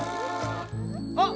あっ！